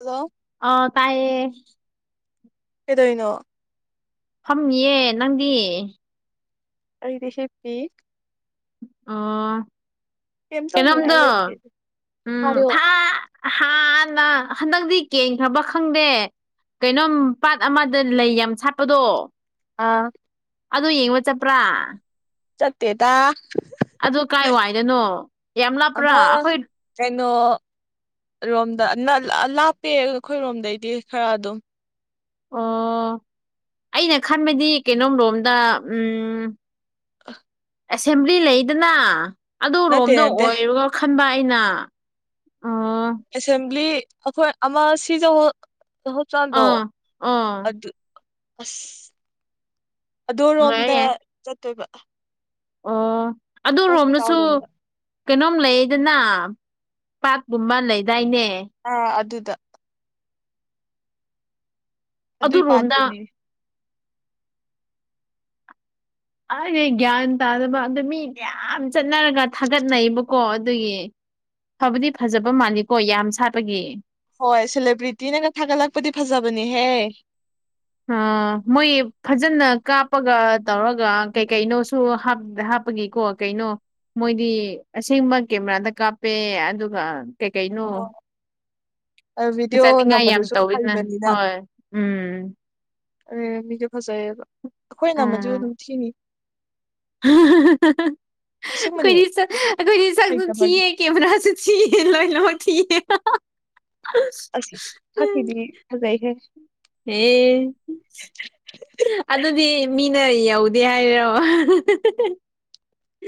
Hello ꯑ ꯇꯥꯏꯌꯦ ꯀꯩꯗꯣꯏꯅꯣ ꯐꯝꯃꯤꯌꯦ ꯅꯪꯗꯤ ꯑꯩꯗꯤ ꯁꯤꯞꯛꯇꯤ ꯑꯣ ꯀꯩꯝ ꯇꯧꯅꯤꯡꯉꯥꯏ ꯀꯩꯅꯣꯝꯗꯣ ꯂꯩꯇꯦ ꯎꯝ ꯍꯥꯏꯌꯣ ꯊꯥ ꯍꯥꯟꯅ ꯍꯟꯗꯛꯇꯤ ꯀꯦꯟꯈ꯭ꯔꯕ ꯈꯪꯗꯦ ꯀꯩꯅꯣꯝ ꯄꯥꯠ ꯑꯃꯗ ꯂꯩ ꯌꯥꯝ ꯁꯥꯠꯄꯗꯣ ꯑꯥ ꯑꯗꯨꯗ ꯌꯦꯡꯕ ꯆꯠꯄ꯭ꯔꯥ ꯆꯠꯠꯇꯦꯗ ꯑꯗꯨ ꯀꯥꯏ ꯋꯥꯏꯗꯅꯣ ꯌꯥꯝ ꯂꯥꯞꯄ꯭ꯔꯥ ꯑꯃ ꯑꯩꯈꯣꯏ ꯀꯩꯅꯣ ꯔꯣꯝꯗ ꯂꯥꯞꯄꯦ ꯑꯩꯈꯣꯏꯔꯣꯝꯗꯩꯗꯤ ꯈꯔ ꯑꯗꯨꯝ ꯑꯣ ꯑꯩꯅ ꯈꯟꯕꯗꯤ ꯀꯩꯅꯣꯝꯂꯣꯝꯗ ꯎꯝ ꯑ ꯑꯦꯁꯦꯝꯕ꯭ꯂꯤ ꯂꯩꯗꯅ ꯅꯠꯇꯦ ꯑꯗꯨꯔꯣꯝꯗ ꯅꯠꯇꯦ ꯑꯣꯏꯔꯒ ꯈꯟꯕ ꯑꯩꯅ ꯑꯣ ꯑꯦꯁꯦꯝꯕ꯭ꯂꯤ ꯑꯩꯈꯣꯏ ꯑꯃ ꯁꯤꯖꯧꯍꯆ꯭ꯔꯥꯟꯗꯣ ꯑꯥ ꯑꯥ ꯑꯗꯨ ꯑꯁ ꯑꯗꯨ ꯌꯥꯏ ꯔꯣꯝꯗ ꯌꯥꯏ ꯆꯠꯇꯣꯏꯕ ꯑꯣ ꯑꯗꯨ ꯍꯣꯁꯄꯤꯇꯥꯜ ꯔꯣꯝꯅꯁꯨ ꯔꯣꯝꯗ ꯀꯩꯅꯣꯝ ꯂꯩꯗꯅ ꯄꯥꯀꯨꯝꯕ ꯂꯩꯗꯥꯏꯅꯦ ꯑ ꯑꯗꯨꯗ ꯑꯗꯨꯏ ꯑꯗꯨꯔꯣꯝꯗ ꯄꯥꯠꯇꯨꯅꯦ ꯑꯩꯁ ꯒ꯭ꯌꯥꯟ ꯇꯥꯗꯕ ꯑꯗ ꯃꯤ ꯃꯌꯥꯝ ꯆꯠꯅꯔꯒ ꯊꯥꯒꯠꯅꯩꯌꯦꯕꯀꯣ ꯀꯣ ꯑꯗꯨꯒꯤ ꯐꯕꯗꯤ ꯐꯖꯕ ꯃꯥꯜꯂꯤꯀꯣ ꯌꯥꯝ ꯁꯥꯠꯄꯒꯤ ꯍꯣꯏ ꯁꯦꯂꯦꯕ꯭ꯔꯤꯇꯤꯅꯒ ꯊꯥꯒꯠꯂꯛꯄꯗꯤ ꯐꯖꯕꯅꯦꯍꯦ ꯑ ꯃꯣꯏ ꯐꯖꯅ ꯀꯥꯞꯄꯒ ꯇꯧꯔꯒ ꯀꯩ ꯀꯩꯅꯣꯁꯨ ꯍꯥꯞꯄꯒꯤꯀꯣ ꯀꯩꯅꯣ ꯃꯣꯏꯗꯤ ꯑꯁꯦꯡꯕ ꯀꯦꯃꯦꯔꯥꯗ ꯀꯥꯞꯄꯦ ꯑꯗꯨꯒ ꯀꯩ ꯀꯩꯅꯣ ꯑꯗꯨ ꯚꯤꯗꯤꯑꯣ ꯐꯖꯅꯤꯡꯉꯥꯏ ꯌꯥꯝ ꯅꯝꯕꯗꯨꯁꯨ ꯇꯧꯋꯤꯅ ꯍꯩꯕꯅꯤꯅ ꯍꯣꯏ ꯎꯝ ꯑꯦ ꯃꯤꯁꯨ ꯐꯖꯩꯌꯦꯕ ꯑꯩꯈꯣꯏꯅꯃ ꯎꯝ ꯑꯗꯨꯝ ꯊꯤꯅꯤ ꯑꯁꯦꯡꯕꯅꯦ ꯑꯩꯈꯣꯏꯗꯤ ꯑꯩꯈꯣꯏꯗꯤ ꯁꯛꯝ ꯊꯤ ꯍꯩꯇꯕꯒꯤ ꯀꯦꯃꯦꯔꯥꯥꯁ ꯁꯤꯤ ꯂꯣꯏ ꯂ ꯎꯝ ꯖꯩꯈꯦ ꯍꯦ ꯑꯗꯨꯗꯤ ꯃꯤꯅ ꯌꯧꯗꯦ ꯍꯥꯏꯔꯣ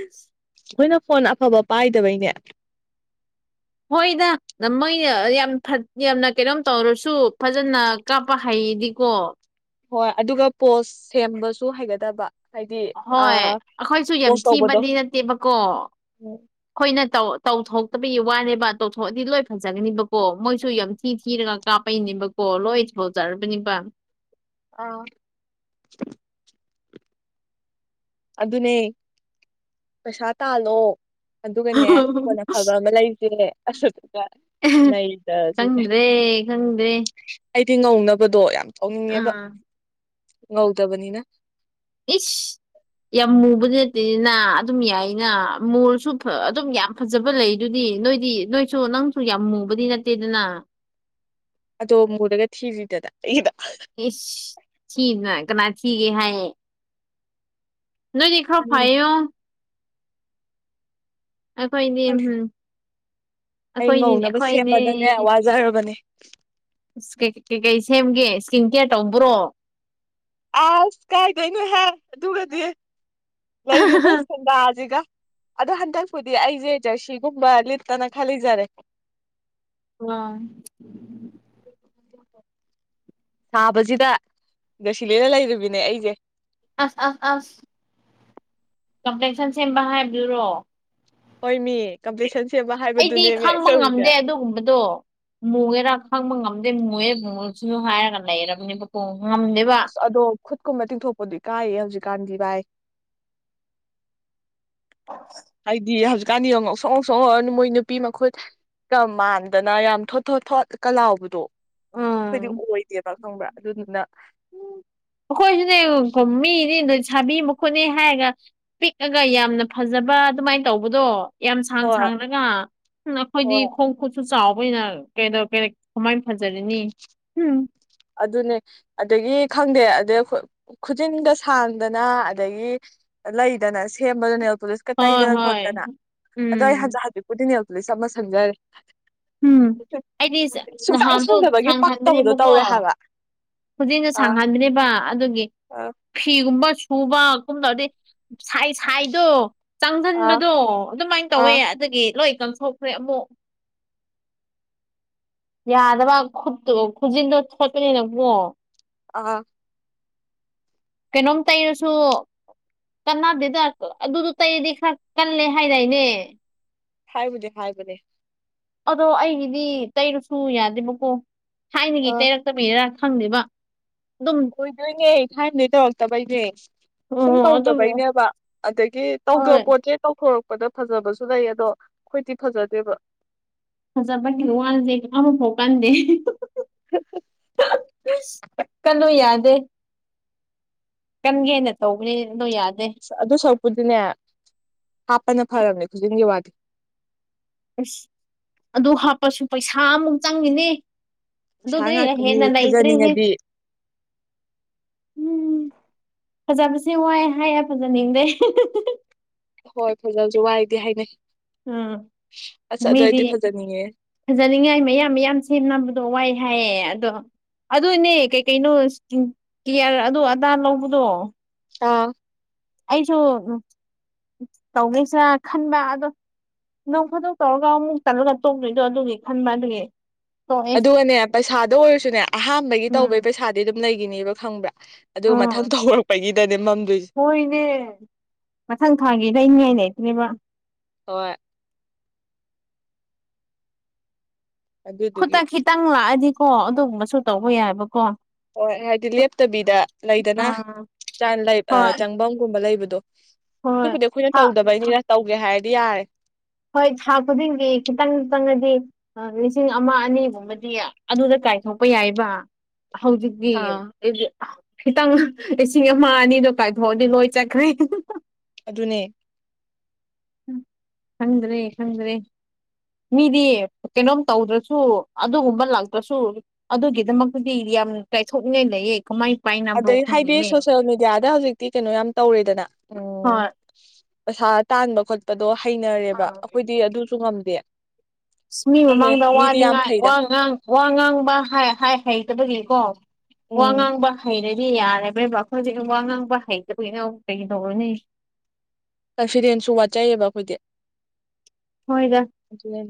ꯑꯦꯁ ꯑꯩꯈꯣꯏꯅ ꯐꯣꯟ ꯑꯐꯕ ꯄꯥꯏꯗꯕꯩꯅꯦ ꯍꯣꯏꯗ ꯃꯣꯏꯅ ꯌꯥꯝ ꯌꯥꯝꯅ ꯀꯩꯅꯣꯝ ꯇꯧꯔꯁꯨ ꯐꯖꯅ ꯀꯥꯞꯄ ꯍꯩꯌꯦꯗꯤꯀꯣ ꯍꯣꯏ ꯑꯗꯨꯒ ꯄꯣꯁ ꯁꯦꯝꯕꯁꯨ ꯍꯩꯒꯗꯕ ꯍꯥꯏꯗꯤ ꯍꯣꯏ ꯑꯥ ꯑꯩꯈꯣꯏꯁꯨ ꯌꯥꯝ ꯄꯣꯁ ꯇꯧꯕꯗꯣ ꯊꯤꯕꯗꯤ ꯅꯠꯇꯦꯕꯀꯣ ꯎꯝ ꯑꯩꯈꯣꯏꯅꯧ ꯇꯧꯊꯣꯛꯇꯕꯒꯤ ꯋꯥꯅꯦꯕ ꯇꯧꯊꯣꯛꯑꯗꯤ ꯂꯣꯏ ꯐꯖꯒꯅꯤꯕꯀꯣ ꯃꯣꯏꯁꯨ ꯌꯥꯝ ꯊꯤ ꯊꯤꯔꯒ ꯀꯥꯞꯄꯩꯅꯦꯕꯀꯣ ꯂꯣꯏ ꯊ ꯐꯥꯎꯖꯔꯕꯅꯤꯕ ꯑ ꯑꯗꯨꯅꯦ ꯄꯩꯁꯥ ꯇꯥꯜꯂꯣ ꯑꯗꯨꯒꯅꯦ ꯀꯣꯟꯅ ꯐꯕ ꯑꯃ ꯂꯩꯁꯦ ꯑꯁ ꯅꯗ ꯁꯤ ꯏꯦ ꯈꯪꯗ꯭ꯔꯦ ꯈꯪꯗ꯭ꯔꯦ ꯑꯩꯗꯤ ꯉꯧꯅꯕꯗꯣ ꯌꯥꯝ ꯇꯧꯅꯤꯡꯉꯦꯕ ꯑꯥ ꯉꯧꯗꯕꯅꯤꯅ ꯏꯁ ꯌꯥꯝ ꯃꯨꯕꯗꯤ ꯅꯠꯇꯦꯅꯤꯅ ꯑꯗꯨꯝ ꯌꯥꯏꯅ ꯃꯣꯜꯁꯨ ꯑꯗꯨꯝ ꯌꯥꯝ ꯐꯖꯕ ꯂꯩ ꯑꯗꯨꯗꯤ ꯅꯣꯏꯗꯤ ꯅꯣꯏꯁꯨ ꯅꯪꯁꯨ ꯌꯥꯝ ꯃꯨꯕꯗꯤ ꯅꯠꯇꯦꯗꯅ ꯑꯗꯣꯝ ꯃꯨꯔꯒ ꯊꯤꯔꯤꯗꯅ ꯑꯩꯒꯤꯗ ꯏꯁꯁ ꯁꯤꯤꯅ ꯀꯅꯥ ꯊꯤꯒꯦ ꯍꯥꯏꯌꯦ ꯅꯗꯤ ꯈꯣ ꯈꯪꯗꯦ ꯐꯥꯏꯌꯣ ꯑꯈ ꯏꯅꯝ ꯈꯪꯗꯦ ꯑꯩ ꯉꯧꯅꯕ ꯁꯦꯝꯃꯗꯅꯦ ꯋꯥꯖꯔꯕꯅꯦ ꯀꯩꯀꯩ ꯁꯦꯝꯒꯦ ꯏꯁꯀꯤꯟ ꯀꯦꯌꯔ ꯇꯧꯕ꯭ꯔꯣ ꯑꯁ ꯀꯥꯏꯗꯣꯏꯅꯣ ꯍꯥꯏ ꯑꯗꯨꯒꯗꯤ ꯂꯩꯔꯤꯕ ꯑꯥ ꯁꯦꯟꯗꯥꯁꯤꯒ ꯑꯗꯨꯗꯣ ꯍꯟꯗꯛꯄꯨꯗꯤ ꯑꯩꯁꯦꯖꯔꯁꯤꯒꯨꯝꯕ ꯂꯤꯠꯇꯅ ꯈꯂꯤꯖꯔꯦ ꯑ ꯁꯥꯕꯁꯤꯗ ꯉ ꯁꯤꯂꯔ ꯂꯩꯃꯤꯅꯦ ꯑꯩꯁꯦ ꯑꯁ ꯑ ꯑꯁ ꯀꯝꯄ꯭ꯂꯦꯟꯁꯟ ꯁꯦꯝꯕ ꯍꯥꯏꯕꯗꯨꯔꯣ ꯑꯣꯏꯃꯤ ꯑꯩꯗꯤ ꯈꯪꯕ ꯉꯝꯗꯦ ꯑꯗꯨꯒꯨꯝꯕꯗꯣ ꯃꯣꯏꯦꯔꯥ ꯈꯪꯕ ꯉꯝꯗꯦ ꯃꯣꯏꯦꯕꯨꯡꯉꯁꯨꯁꯨ ꯍꯥꯏꯔꯒ ꯂꯩꯔꯕꯅꯦꯕ ꯉꯝꯗꯦ ꯑꯁ ꯑꯗꯣ ꯈꯨꯠꯀꯨꯝꯕ ꯇꯤꯡꯊꯣꯛꯄꯗꯤ ꯀꯥꯏꯌꯦ ꯍꯧꯖꯤꯛꯀꯥꯟꯗꯤ ꯚꯥꯏ ꯑꯣ ꯍꯥꯏꯗꯤ ꯍꯧꯖꯤꯛꯀꯥꯟꯗꯤ ꯌꯦꯡꯉꯣ ꯁꯣꯡꯉꯧ ꯁꯣꯡꯉꯧꯑꯅꯤ ꯃꯣꯏ ꯅꯨꯄꯤ ꯃꯈꯨꯠ ꯀ ꯃꯥꯟꯗꯅ ꯌꯥꯝ ꯊꯣꯠ ꯊꯣꯠ ꯊꯣꯠꯀ ꯂꯥꯎꯕꯗꯣ ꯍꯥꯏꯗꯤ ꯑꯣꯏꯗꯦꯕ ꯈꯪꯕ꯭ꯔꯥ ꯑꯗꯨꯗꯨꯅ ꯎ ꯑꯩꯈꯣꯏꯁꯨꯅꯦ ꯨꯝꯃꯤꯅꯦ ꯅꯣꯏ ꯁꯥꯕꯤ ꯃꯨ ꯈꯣꯠꯅ ꯍꯥꯏꯔꯒ ꯄꯤꯛꯑꯒ ꯌꯥꯝꯅ ꯐꯖꯕ ꯑꯗꯨꯃꯥꯏꯅ ꯇꯧꯕꯗꯣ ꯌꯥꯝ ꯁꯥꯡ ꯍꯣꯏ ꯁꯥꯡꯔꯒ ꯑꯩꯈꯣꯏꯗꯤ ꯍꯣꯏ ꯈꯣꯡ ꯈꯨꯠꯁꯨ ꯆꯥꯎꯕꯅ ꯀꯩꯗ ꯀꯃꯥꯏꯅ ꯐꯖꯔꯤꯅꯤ ꯎꯝ ꯑꯗꯨꯅꯦ ꯑꯗꯒꯤ ꯈꯪꯗꯦ ꯑꯗꯩ ꯈꯨꯖꯤꯟꯒ ꯁꯥꯡꯗꯅ ꯑꯗꯒꯤ ꯂꯩꯗꯅ ꯁꯦꯝꯕꯗꯨꯅꯦ ꯄꯨꯂꯤꯁ ꯍꯣꯏ ꯇꯩꯗꯅ ꯍꯣꯏ ꯈꯣꯠꯇꯅ ꯑꯗꯣ ꯑꯩ ꯎꯝ ꯍꯟꯗꯛ ꯍꯖꯤꯠꯄꯨꯗꯤꯡꯅꯦꯛꯇ ꯆꯝꯃ ꯁꯪꯖꯔꯦ ꯑꯩꯗꯤ ꯁꯨꯡꯆꯥꯏ ꯅꯍꯥꯟꯗꯣ ꯁꯨꯡꯗꯕꯒꯤ ꯄꯛꯇꯕꯗꯣ ꯇꯧꯋꯦ ꯍꯧꯖꯤꯛꯅ ꯁꯥꯡꯍꯟꯕꯅꯦꯕ ꯑꯗꯨꯒꯤ ꯑꯥ ꯐꯤꯒꯨꯝꯕ ꯁꯨꯕꯒꯨꯝ ꯇꯧꯗꯤ ꯁꯥꯏ ꯁꯥꯏꯗꯣ ꯑꯥ ꯆꯪꯁꯤꯟꯕꯗꯣ ꯑꯗꯨꯃꯥꯏꯅ ꯇꯧꯋꯦ ꯑꯥ ꯑꯗꯨꯗꯒꯤ ꯂꯣꯏ ꯀꯪꯊꯣꯛꯈ꯭ꯔꯦ ꯑꯃꯨꯛ ꯌꯥꯗꯕ ꯈꯨꯠꯇꯣ ꯈꯨꯖꯤꯟꯗꯣ ꯊꯣꯠꯄꯅꯤꯅ ꯄꯣ ꯑ ꯀꯩꯅꯣꯝ ꯇꯩꯔꯁꯨ ꯀꯥꯟꯅꯗꯦꯗ ꯑꯗꯨꯗꯣ ꯇꯩꯔꯗꯤ ꯈꯔ ꯀꯜꯂꯦ ꯍꯥꯏꯅꯏꯅꯦ ꯐꯥꯏꯕꯨꯖꯦ ꯍꯥꯏꯥꯏꯕꯅꯦꯦ ꯑꯗꯣ ꯑꯩꯒꯤꯗꯤ ꯇꯩꯔꯨꯁꯨ ꯌꯥꯗꯦꯕꯀꯣ ꯊꯥꯏꯅꯒꯤ ꯑꯥ ꯇꯩꯔꯛꯇꯃꯤꯗꯔ ꯈꯪꯗꯦꯕ ꯑꯗꯨꯝ ꯑꯣꯏꯣꯏꯗꯣꯏꯅꯦ ꯈꯥꯏꯅꯗꯩ ꯇꯧꯔꯛꯇꯕꯩꯅꯦꯦ ꯑꯣ ꯁꯨꯝ ꯑꯗꯨꯕꯨ ꯇꯧꯗꯕꯩꯅꯦꯕ ꯑꯗꯒꯤ ꯍꯣꯏ ꯇꯧꯗꯕ ꯄꯣꯠꯁꯦ ꯇꯧꯊꯣꯔꯛꯄ ꯄꯄꯗ ꯐꯖꯕꯁꯨ ꯂꯩ ꯑꯗꯣ ꯑꯩꯈꯣꯏꯗꯤꯤ ꯐꯖꯗꯦꯕ ꯐꯖꯕꯒꯤ ꯋꯥꯜꯁꯦ ꯀꯕ ꯐꯣꯛ ꯀꯥꯟꯗꯦ ꯍ ꯀꯜꯂꯨ ꯌꯥꯗꯦ ꯀꯟꯒꯦꯅ ꯇꯧꯕꯅꯤ ꯑꯗꯣ ꯌꯥꯗꯦ ꯑꯗꯨ ꯁꯔꯨꯛꯄꯨꯗꯤꯅꯦ ꯍꯥꯞꯄꯅ ꯐꯔꯕꯅꯦ ꯈꯨꯗꯖꯤꯟꯒꯤ ꯋꯥꯗꯤ ꯑꯁ ꯑꯗꯨ ꯍꯥꯞꯄꯁꯨ ꯄꯩꯁꯥ ꯑꯃꯨꯛ ꯆꯪꯉꯤꯅꯦ ꯄꯩꯁꯥ ꯑꯗꯨꯗꯤ ꯉꯥꯛꯇꯅꯤ ꯍꯦꯟꯅ ꯂꯩꯇ꯭ꯔꯦꯍꯦ ꯐꯖꯅꯤꯡꯉꯗꯤ ꯎꯝ ꯐꯖꯕꯁꯦ ꯋꯥꯏ ꯍꯥꯏꯌꯦ ꯐꯖꯅꯤꯡꯗꯦ ꯍꯣꯏ ꯐꯖꯕꯁꯨ ꯋꯥꯏꯗꯤ ꯍꯥꯏꯅꯩ ꯑ ꯑꯁ ꯑꯗꯨ ꯃꯤꯗꯤ ꯑꯩꯗꯤ ꯐꯖꯅꯤꯡꯉꯦ ꯐꯖꯅꯤꯡꯉꯥꯏ ꯃꯌꯥꯝ ꯃꯌꯥꯝ ꯁꯦꯝꯅꯕꯗꯣ ꯋꯥꯏ ꯍꯥꯏꯌꯦ ꯑꯗꯣ ꯑꯗꯨꯅꯦ ꯀꯩꯀꯩꯅꯣ ꯏꯁꯇꯤꯡ ꯀꯤꯌꯥꯔ ꯑꯗꯨ ꯑꯗꯥ ꯂꯧꯕꯗꯣ ꯑꯥ ꯑꯩꯁꯨ ꯇꯧꯅꯩꯁ ꯈꯟꯕ ꯑꯗꯣ ꯅꯣꯡ ꯐꯗꯣꯛ ꯇꯧꯔꯒ ꯑꯃꯨꯛ ꯇꯜꯂꯒ ꯇꯣꯛꯇꯣꯏꯗꯣ ꯑꯗꯨꯒꯤ ꯈꯟꯕ ꯑꯗꯨꯒꯤ ꯇꯣꯛꯑꯦ ꯑꯗꯨꯒꯅꯦ ꯄꯩꯁꯥꯗ ꯑꯣꯏꯔꯁꯨꯅꯦ ꯑꯍꯥꯟꯕꯒꯤ ꯇꯧꯕꯒꯤ ꯎꯝ ꯄꯩꯁꯥꯗꯤ ꯑꯗꯨꯝ ꯂꯩꯒꯤꯅꯦꯕ ꯈꯪꯕ꯭ꯔꯥ ꯑꯗꯨꯒ ꯃꯊꯪꯇ ꯍꯧꯔꯛꯄꯒꯤꯗꯅꯦ ꯃꯝꯗꯣꯏꯁꯦ ꯍꯣꯏ ꯏꯅꯦ ꯃꯊꯪ ꯊꯥꯒꯤ ꯂꯩꯅꯤꯡꯉꯥꯏꯗꯨꯅꯦꯕ ꯍꯣꯏ ꯑꯗꯨꯗꯨꯒꯤ ꯈꯨꯠꯇ ꯈꯤꯇꯪ ꯂꯥꯛꯑꯗꯤꯀꯣ ꯑꯗꯨꯒꯨꯝꯕꯁꯨ ꯇꯧꯕ ꯌꯥꯏꯕꯀꯣ ꯍꯣꯏ ꯍꯥꯏꯗꯤ ꯂꯦꯞꯇꯕꯤꯗ ꯂꯩꯗꯅ ꯎꯝ ꯆꯜ ꯂꯩꯞ ꯑꯥ ꯍꯣꯏ ꯆꯪꯅꯝꯒꯨꯝꯕ ꯂꯩꯕꯗꯣ ꯍꯣꯏ ꯑꯗꯨꯕꯨꯗꯤ ꯑꯩꯈꯣꯏꯅ ꯊꯥ ꯊꯥ ꯇꯧꯗꯕꯩꯅꯤꯅ ꯇꯧꯒꯦ ꯍꯥꯏꯔꯗꯤ ꯌꯥꯔꯦ꯫ ꯍꯣꯏ ꯊꯥ ꯈꯨꯗꯤꯡꯒꯤ ꯈꯤꯇꯪ ꯆꯪꯉꯗꯤ ꯂꯤꯁꯤꯡ ꯑꯃ ꯑꯅꯤꯒꯨꯝꯕꯗꯤ ꯑꯗꯨꯗ ꯀꯥꯏꯊꯣꯛꯄ ꯌꯥꯏꯕ ꯍꯧꯖꯤꯛꯇꯤ ꯑꯥ ꯑꯦꯞꯖ ꯈꯤꯇꯪ ꯂꯤꯁꯤꯡ ꯑꯃ ꯑꯅꯤꯗꯣ ꯀꯥꯏꯊꯣꯛꯑꯗꯤ ꯂꯣꯏ ꯆꯠꯈ꯭ꯔꯦ ꯑꯗꯨꯅꯦ ꯈꯪꯗꯔꯦ ꯈꯪꯗꯔꯦ ꯃꯤꯗꯤ ꯀꯩꯅꯣꯝ ꯇꯧꯗ꯭ꯔꯁꯨ ꯑꯗꯨꯒꯨꯝꯕ ꯂꯥꯛꯇ꯭ꯔꯁꯨ ꯑꯗꯨꯒꯤꯗꯃꯛꯇꯗꯤ ꯌꯥꯝ ꯇꯥꯏꯊꯣꯛꯅꯤꯡꯉꯥꯏ ꯂꯩꯌꯦ ꯀꯃꯥꯏ ꯄꯥꯏꯅꯕ꯭ꯔꯣ ꯑꯗꯩ ꯍꯥꯏꯗꯤ ꯈꯪꯗꯦꯅꯦ ꯁꯣꯁꯦꯜ ꯃꯦꯗꯤꯌꯥꯗ ꯍꯧꯖꯤꯛꯇꯤ ꯀꯩꯅꯣ ꯌꯥꯝ ꯇꯧꯔꯦꯗꯅ ꯎꯝ ꯍꯣꯏ ꯄꯩꯁꯥ ꯇꯥꯟꯕ ꯈꯣꯠꯄꯗꯣ ꯍꯩꯅꯔꯦꯕ ꯑꯥ ꯑꯩꯈꯣꯏꯗꯤ ꯑꯗꯨꯁꯨ ꯉꯝꯗꯦ꯫ ꯑ ꯃꯤ ꯈꯪꯗꯦ ꯃꯃꯥꯡꯗ ꯃꯤꯗꯤ ꯌꯥꯝ ꯋꯥꯅꯤꯡꯉꯥꯏ ꯐꯩꯗ ꯋꯥ ꯉꯥꯡ ꯋꯥ ꯉꯥꯡꯕ ꯍꯩꯇꯕꯒꯤꯀꯣ ꯋꯥ ꯎꯝ ꯉꯥꯡꯕ ꯍꯩꯔꯗꯤ ꯌꯥꯔꯦꯕꯦꯕ ꯑꯈꯣꯏꯗꯤ ꯋꯥ ꯉꯥꯡꯕ ꯍꯩꯇꯕꯒꯤꯉꯧ ꯀꯩꯗꯧꯔꯨꯅꯤ꯫ ꯀꯟꯐꯤꯗꯦꯟꯁꯁꯨ ꯋꯥꯠꯆꯩꯌꯦꯕ ꯑꯩꯈꯣꯏꯗꯤ ꯍꯣꯏꯗ ꯑꯗꯨꯅꯤ꯫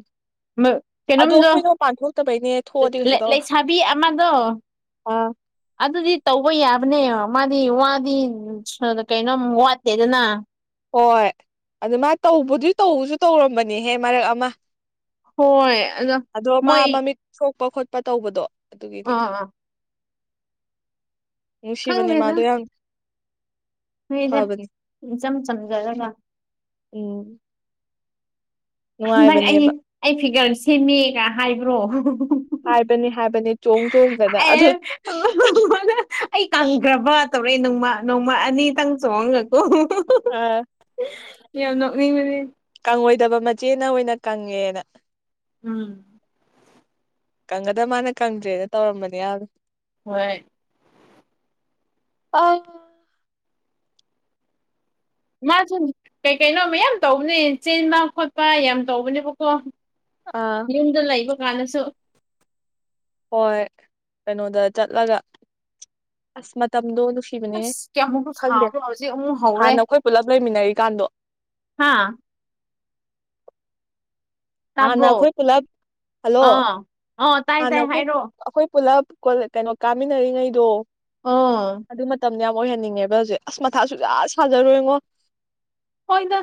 ꯑꯗꯣ ꯀꯩꯅꯣꯝꯗꯣ ꯑꯩꯈꯣꯏꯅ ꯃꯄꯥꯟ ꯊꯣꯛꯇꯕꯩꯅꯦ ꯊꯣꯛꯑꯗꯤ ꯀꯩꯁꯨ ꯇꯥꯎꯔꯣꯏ꯫ ꯂꯩꯁꯥꯕꯤ ꯑꯃꯗꯣ ꯑꯥ ꯑꯗꯨꯗꯤ ꯇꯧꯕ ꯌꯥꯕꯅꯦ ꯃꯥꯗꯤ ꯋꯥꯗꯤ ꯀꯩꯅꯣꯝ ꯋꯥꯠꯇꯦꯗꯅ ꯍꯣꯏ ꯑꯗꯨ ꯃꯥ ꯇꯧꯕꯗꯨ ꯇꯧꯕꯁꯨ ꯇꯧꯔꯝꯕꯅꯤꯍꯦ ꯃꯔꯛ ꯑꯃ ꯍꯣꯏ ꯑꯗꯣ ꯃꯥ ꯃꯣꯏ ꯃꯃꯤꯠ ꯁꯣꯛꯄ ꯈꯣꯠꯄ ꯇꯧꯕꯗꯣ ꯑꯗꯨꯒꯤꯅꯤꯗ ꯑꯥ ꯅꯨꯡꯁꯤꯕꯅꯦ ꯈꯪꯗꯦꯗ ꯃꯥꯗꯣ ꯌꯥꯝ ꯅꯣꯏꯗ ꯐꯕꯅꯦ꯫ ꯏꯆꯝ ꯆꯝꯖꯔꯒ ꯎꯝ ꯍꯟꯗꯛ ꯑꯩ ꯅꯨꯡꯉꯥꯏꯕꯅꯦꯕ ꯑꯩ ꯐꯤꯒꯔ ꯁꯦꯝꯃꯦꯒ ꯍꯥꯏꯕ꯭ꯔꯣ? ꯍꯥꯏꯕꯅꯤ ꯍꯥꯏꯕꯅꯤ ꯆꯣꯡ ꯆꯣꯡꯗꯅ ꯑꯗꯨ ꯑꯦ ꯑꯩ ꯀꯪꯈ꯭ꯔꯕ ꯇꯧꯔꯛꯑꯦ ꯅꯣꯡꯃ ꯅꯣꯡꯃ ꯑꯅꯤꯇꯪ ꯆꯣꯡꯉꯒꯀꯣ ꯑꯥ ꯌꯥꯝ ꯅꯣꯛꯅꯤꯡꯕꯅꯤ ꯫ ꯀꯪꯉꯣꯏꯗꯕ ꯃꯆꯦꯅ ꯑꯣꯏꯅ ꯀꯪꯉꯦꯅ ꯎꯝ ꯀꯪꯒꯗꯕ ꯃꯥꯅ ꯀꯪꯗ꯭ꯔꯦꯅ ꯇꯧꯔꯝꯕꯅꯤ ꯌꯥꯝꯅ ꯍꯣꯏ ꯑꯥ ꯃꯥꯁꯨ ꯀꯩ ꯀꯩꯅꯣ ꯃꯌꯥꯝ ꯇꯧꯕꯅꯦ ꯆꯦꯟꯕ ꯈꯣꯠꯄ ꯌꯥꯝ ꯇꯧꯕꯅꯦꯕꯀꯣ ꯑꯥ ꯌꯨꯝꯗ ꯂꯩꯕ ꯀꯥꯟꯗꯁꯨ ꯍꯣꯏ ꯀꯩꯅꯣꯗ ꯆꯠꯂꯒ ꯑꯁ ꯃꯇꯝꯗꯣ ꯅꯨꯡꯁꯤ ꯊꯤꯕꯅꯦꯍ ꯑꯁ ꯀꯌꯥꯃꯨꯛꯁꯨ ꯈꯪꯗꯦ ꯁꯥꯕ꯭ꯔꯣ ꯍꯧꯖꯤꯛ ꯑꯃꯨꯛ ꯍꯧꯔꯦ ꯍꯥꯟꯅ ꯑꯩꯈꯣꯏ ꯄꯨꯂꯞ ꯂꯩꯃꯤꯟꯅꯔꯤꯀꯥꯟꯗꯣ ꯍꯥꯥ ꯍꯥꯟꯅ ꯇꯥꯕ꯭ꯔꯣ ꯑꯩꯈꯣꯏ ꯄꯨꯂꯞ ꯍꯜꯂꯣ ꯑꯥ ꯑ ꯇꯥꯏ ꯍꯥꯟꯅ ꯇꯥꯏ ꯑꯩꯈꯣꯏ ꯍꯥꯏꯔꯛꯑꯣ ꯑꯩꯈꯣꯏ ꯄꯨꯂꯞ ꯀꯩꯅꯣ ꯀꯥꯃꯤꯟꯅꯔꯤꯉꯩꯗꯣ ꯑꯣ ꯑꯗꯨ ꯃꯇꯝꯗꯨ ꯌꯥꯝ ꯑꯣꯏꯍꯟꯅꯤꯡꯉꯦꯕ ꯍꯧꯖꯤꯛ ꯑꯁ ꯃꯊꯥ ꯁꯨꯖꯥ ꯁꯥꯖꯔꯣꯏꯉꯣ ꯍꯣꯏꯗ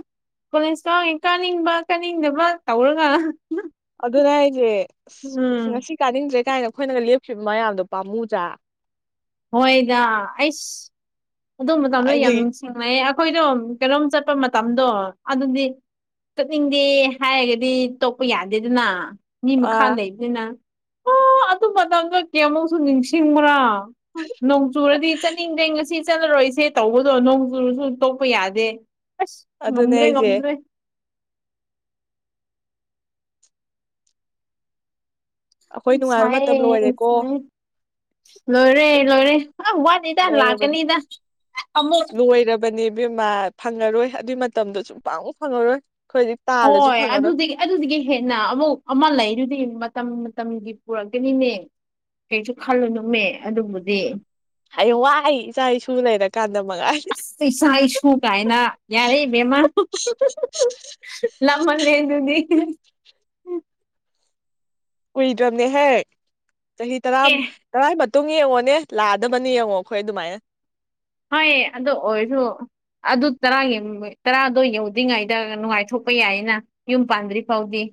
ꯀꯣꯂꯦꯖ ꯀꯥꯎꯋꯦꯡ ꯀꯥꯅꯤꯡꯕ ꯀꯥꯅꯤꯡꯗꯕ ꯇꯧꯔꯒ ꯑꯗꯨꯅꯦ ꯍꯥꯏꯖꯦ ꯑꯁ ꯎꯝ ꯉꯁꯤ ꯀꯥꯅꯤꯡꯗ꯭ꯔꯦ ꯀꯥꯏꯅ ꯑꯩꯈꯣꯏꯅꯒ ꯂꯦꯞꯈꯤꯕ ꯃꯌꯥꯝꯗꯣ ꯄꯥꯝꯃꯨꯗ꯭ꯔ ꯍꯣꯏꯗ ꯑꯩꯁ ꯑꯗꯨ ꯃꯇꯝꯗꯣ ꯌꯥꯝ ꯊꯥꯏꯅꯒꯤ ꯊ‌ꯦꯡꯅꯩꯌꯦ ꯑꯩꯈꯣꯏꯗꯣ ꯀꯩꯅꯣꯝ ꯆꯠꯄ ꯃꯇꯝꯗꯣ ꯑꯗꯨꯗꯤ ꯆꯠꯅꯤꯡꯗꯦ ꯍꯥꯏꯔꯒꯗꯤ ꯇꯣꯛꯄ ꯌꯥꯗꯦꯗꯅ ꯃꯤ ꯃꯈꯥ ꯑꯥ ꯂꯩꯕꯅꯤꯅ ꯑꯣ ꯑꯗꯨ ꯃꯇꯝꯗꫭ ꯀꯌꯥꯃꯨꯛꯁꯨ ꯅꯤꯡꯁꯤꯡꯕ꯭ꯔꯥ ꯅꯣꯡꯆꯨꯔꯗꯤ ꯆꯠꯅꯤꯡꯗ‌ꯦ ꯉꯁꯤ ꯆꯠꯂꯔꯣꯏꯁꯦ ꯇꯧꯕꯗꯣ ꯅꯣꯡ ꯆꯨꯁꯨ ꯇꯣꯛꯄ ꯌꯥꯗꯦ ꯑꯁ ꯑꯗꯨꯅꯦ ꯉꯝꯗ꯭ꯔ‌ꯦ ꯑꯩꯁꯦ ꯉꯝꯗ꯭ꯔ‌ꯦ ꯑꯩꯈꯣꯏ ꯅꯨꯡꯉꯥꯏꯕ ꯃꯇꯝ ꯁꯥꯏꯌꯦ ꯂꯣꯏꯔꯦꯀꯣ ꯁꯥꯏꯌꯦ ꯂꯣꯏꯔꯦ ꯂꯣꯏꯔꯦ ꯑ ꯋꯥꯠꯂꯤꯗ ꯂꯣꯏꯔꯕꯅꯤ ꯂꯥꯛꯀꯅꯤꯗ ꯑꯃꯨꯛ ꯕꯅꯦꯏꯕ‌ꯦꯝꯃ ꯐꯪꯉꯔꯣꯏ ꯑꯗꯨꯏ ꯃꯇꯝꯗꯨ ꯁꯨꯡꯐꯪ ꯐꯪꯉꯔꯣꯏ ꯑꯩꯈꯣꯏꯗꯤ ꯍꯣꯏ ꯑꯗꯨꯗꯤ ꯑꯗꯨꯗꯒꯤ ꯍꯦꯟꯅ ꯑꯃꯨꯛ ꯑꯃ ꯂꯩꯗꯨꯗꯤ ꯃꯇꯝ ꯃꯇꯝꯒꯤ ꯄꯨꯔꯛꯀꯅꯤꯅꯦ ꯀꯩꯁꯨ ꯈꯜꯂꯨ ꯅꯨꯝꯃꯦ ꯑꯗꯨꯕꯨꯗꯤ ꯍꯌꯦꯋꯥꯏ ꯏꯆꯥ ꯏꯁꯨ ꯂꯩꯔꯀꯥꯟꯗ ꯃꯉꯥꯏꯔꯦ ꯏꯁꯥ ꯏꯁꯨ ꯀꯥꯏꯅ ꯌꯥꯔꯦ ꯏꯕꯦꯝꯃ ꯂꯞꯃꯜꯂ‌ꯦ ꯑꯗꯨꯗꯤ ꯀꯨꯏꯗ꯭ꯔꯝꯅꯦꯍꯦ ꯆꯍꯤ ꯇꯔꯥꯝ ꯑꯦ ꯇꯔꯥꯏ ꯃꯇꯨꯡ ꯌꯦꯡꯉꯣꯅꯦ ꯂꯥꯛꯑꯗꯕꯅꯤ ꯌꯦꯡꯑꯣ ꯑꯩꯈꯣꯏ ꯑꯗꯨꯃꯥꯏꯅ ꯍꯣꯏꯌꯦ ꯑꯗꯣ ꯑꯣꯏꯔꯁꯨ ꯑꯗꯨ ꯇꯔꯥꯒꯤ ꯇꯔꯥꯗꯣ ꯌꯧꯗ꯭ꯔꯤꯉꯩꯗ ꯅꯨꯡꯉꯥꯏꯊꯣꯛꯄ ꯌꯥꯏꯅ ꯌꯨꯝ ꯄꯥꯟꯗ꯭ꯔꯤ ꯐꯥꯎꯗꯤ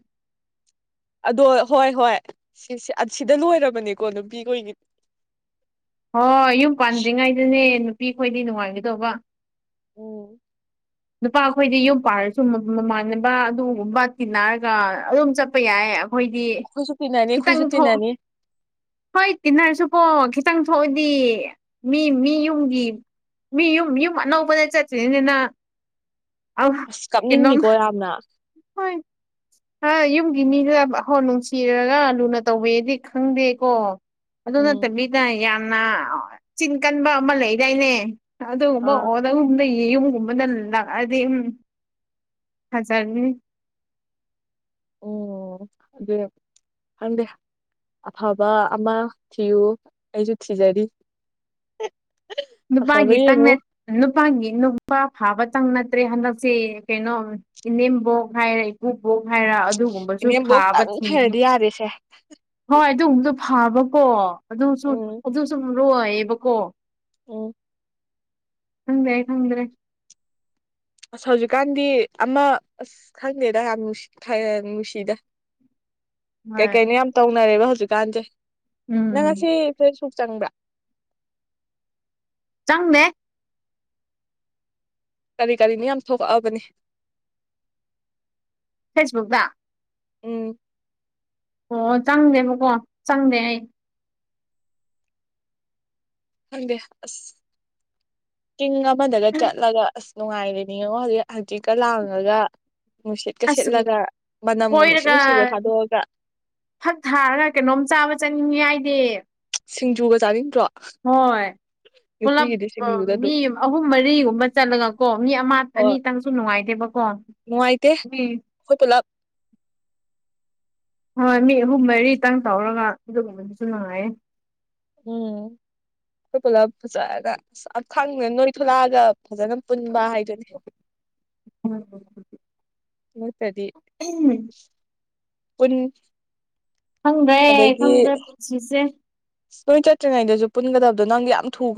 ꯑꯗꯣ ꯍꯣꯏ ꯍꯣꯏ ꯁꯤ ꯁꯤ ꯑꯁꯤꯗ ꯂꯣꯏꯔꯕꯅꯤꯀꯣ ꯅꯨꯄꯤꯈꯣꯏꯒꯤ ꯍꯣꯏ ꯌꯨꯝ ꯄꯥꯟꯗ꯭ꯔꯤꯉꯩꯗꯅꯦ ꯅꯨꯄꯤ ꯈꯣꯏꯗꯤ ꯅꯨꯡꯉꯥꯏꯒꯗꯧꯕ ꯎꯝ ꯅꯨꯄꯥ ꯈꯣꯏꯗꯤ ꯌꯨꯝ ꯄꯥꯜꯂꯁꯨ ꯃ ꯃꯃꯥꯟꯅꯕ ꯑꯗꯨꯒꯨꯝꯕ ꯇꯤꯟꯅꯔꯒ ꯑꯗꯨꯝ ꯆꯠꯄ ꯌꯥꯏꯌꯦ ꯍꯣꯏꯗꯤ ꯑꯩꯈꯣꯏꯁꯨ ꯇꯤꯟꯅꯅꯤ ꯈꯤꯇꯪ ꯑꯩꯈꯣꯏꯁꯨ ꯊꯣꯛ ꯇꯤꯟꯅꯅꯤ ꯍꯣꯏ ꯇꯤꯟꯅꯔꯁꯨꯀꯣ ꯈꯤꯇꯪ ꯊꯣꯛꯑꯗꯤ ꯃꯤ ꯃꯤ ꯌꯨꯝꯒꯤ ꯃꯤ ꯌꯨꯝ ꯌꯨꯝ ꯑꯅꯧꯕꯅ ꯆꯠꯇ꯭ꯔꯤꯅꯤꯅ ꯑꯁ ꯀꯩꯅꯣꯝ [unintelligible] ꯍꯣꯏ ꯍꫭꯏ ꯌꯨꯝꯒꯤ ꯃꯤꯗꯅ ꯍꯣꯏ ꯅꯨꯡꯁꯤꯔꯒ ꯂꯨꯅ ꯇꯧꯕꯔꯗꯤ ꯈꯪꯗꯦꯀꯣ ꯑꯗꯨ ꯎꯝ ꯅꯠꯇꯕꯤꯗ ꯌꯥꯝꯅ ꯆꯤꯟ ꯀꯟꯕ ꯑꯃ ꯂꯩꯗꯥꯏꯅꯦ ꯑꯗꯨꯒꯨꯝꯕ ꯑꯥ ꯑꯣꯜ ꯂꯒꯨꯝꯅ [unintelligible] ꯌꯦꯌꯨꯝꯒꯨꯝꯕꯅ ꯂꯥꯛꯑꯗꯤ ꯑꯗꯨꯝ ꯐꯖꯔꯅꯤ ꯑꯣ ꯑꯗꯨꯅꯦ ꯍꯪꯗꯦ ꯑꯐꯕ ꯑꯃ ꯊꯤꯌꯨ ꯑꯩꯁꯨ ꯊꯤꯖꯔꯤ ꯑꯐꯕ ꯅꯨꯄꯥꯒꯤꯇꯪ ꯌꯦꯡꯉꯨ ꯅꯨꯄꯥꯒꯤ ꯅꯨꯄꯥ ꯐꯥꯕꯇꯪ ꯅꯠꯇ꯭ꯔꯦ ꯍꯟꯗꯛꯁꯦ ꯀꯩꯅꯣꯝ ꯏꯅꯦꯝꯕꯣꯛ ꯍꯥꯏꯔ ꯏꯀꯨꯕꯣꯛ ꯍꯥꯏꯔ ꯑꯗꯨꯒꯨꯝꯕꯁꯨ ꯐꯥꯕ ꯏꯅꯦꯝꯕꯣꯛꯇꯪ ꯊꯤꯌꯨ ꯐꯔꯗꯤ ꯌꯥꯔꯦꯁꯦ ꯍꯣꯏ ꯑꯗꯨꯒꯨꯝꯕꯗꯨ ꯐꯕꯀꯣ ꯑꯗꯨꯁꯨ ꯎꯝ ꯑꯗꯨꯁꯨ ꯂꯣꯏꯌꯦꯕꯀꯣ ꯎꯝ ꯈꯪꯗ꯭ꯔꯦ ꯈꯪꯗ꯭ꯔꯦ ꯑꯁ ꯍꯧꯖꯤꯛꯀꯥꯟꯗꯤ ꯑꯃ ꯑꯁ ꯈꯪꯗꯦꯗ ꯌꯥꯝ ꯅꯨꯡꯁꯤꯗ ꯍꯣꯏ ꯀꯩꯀꯩꯅꯣ ꯌꯥꯝ ꯇꯧꯅꯔꯦꯕ ꯍꯧꯖꯤꯛꯀꯥꯟꯁꯦ ꯎꯝ ꯅꯪ ꯉꯑꯁꯤ ꯐꯦꯁꯕꯨꯛ ꯆꯪꯕ꯭ꯔꯥ ꯆꯪꯗ‌ꯦ ꯀꯔꯤ ꯀꯔꯤꯅꫭ ꯌꯥꯝ ꯊꯣꯛꯂꯛꯑꯕꯅꯤ ꯐꯦꯁꯕꯨꯛꯗ ꯎꯝ ꯑꯣ ꯆꯪꯗꯦꯕꯀꯣ ꯆꯪꯗꯦ ꯑꯩ ꯈꯪꯗꯦ ꯑꯁ ꯆꯤꯡ ꯑꯃꯗꯒ ꯆꯠꯂꯒ ꯑꯁ ꯅꯨꯡꯉꯥꯏꯔꯦꯅꯤ ꯌꯦꯉꯣ ꯍꯧꯖꯤꯛ ꯍꯆꯤꯛꯀꯥ ꯂꯥꯡꯉꯒ ꯅꯨꯡꯁꯤꯠꯀꯥ ꯑꯁ ꯁꯤꯠꯂꯒ ꯃꯅꯝꯒ ꯅꯨꯡꯁꯤ ꯀꯣꯏꯔꯒ ꯅꯨꯡꯁꯤꯕ ꯊꯥꯗꯣꯛꯑꯒ ꯐꯛ ꯊꯥꯔꯒ ꯀꯩꯅꯣꯝ ꯆꯥꯕ ꯆꯥꯅꯤꯡꯉꯦ ꯑꯩꯗꯤ ꯁꯤꯡꯖꯨꯒ ꯆꯥꯅꯤꯡꯗ꯭ꯔꯣ ꯍꯣꯏ ꯄꯨꯂꯞ ꯅꯨꯄꯤꯒꯤꯗꯤ ꯁꯤꯡꯖꯨꯗ ꯃꯤ ꯑꯗꯨꯝ ꯑꯍꯨꯝ ꯃꯔꯤꯒꯨꯝꯕ ꯆꯠꯂꯒ ꯀꯣ ꯃꯤ ꯑꯃ ꯑꯅꯤ ꯍꯣꯏ ꯇꯪ ꯅꯨꯡꯉꯥꯏꯇꯦꯕ ꯀꯣ ꯅꯨꯡꯉꯥꯏꯇꯦ ꯑꯩꯈꯣꯏ ꯄꯨꯂꯞ ꯍꯣꯏ ꯃꯤ ꯑꯍꯨꯝ ꯃꯔꯤꯇꯪ ꯇꯧꯔꯒ ꯑꯗꯨꯒꯨꯝꯕꯗꯨꯁꯨ ꯅꯨꯡꯉꯥꯏꯌꯦ ꯎꯝ ꯑꯩꯈꯣꯏ ꯄꯨꯂꯞ ꯐꯖꯅ ꯑꯊꯥꯡꯅ ꯅꯣꯏ ꯊꯂꯛꯑꯒ ꯐꯖꯅ ꯄꯨꯟꯕ ꯍꯥꯏꯗꯨꯅꯤ ꯅꯠꯇ꯭ꯔꯗꯤ ꯎꯝ ꯎꯟ ꯈꯪꯗ꯭ꯔꯦ ꯈꯪꯗ꯭ꯔꯦ ꯄꯨꯟꯁꯤꯁꯦ ꯅꯣꯏ ꯆꯠꯇ꯭ꯔꯤꯉꯩꯗꯖꯨ ꯄꯨꯟꯒꯗꯕꯗꯣ ꯅꯪꯗꯤ ꯌꯥꯝ ꯊꯨꯒꯔ